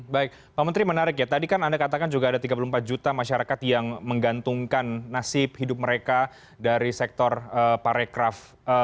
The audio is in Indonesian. baik pak menteri menarik ya tadi kan anda katakan juga ada tiga puluh empat juta masyarakat yang menggantungkan nasib hidup mereka dari sektor parekraf